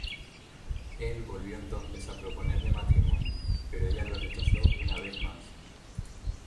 Él volvió entonces a proponerle matrimonio, pero ella lo rechazó una vez más.